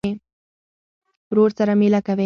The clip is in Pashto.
ورور سره مېله کوې.